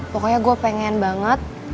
pokoknya gue pengen banget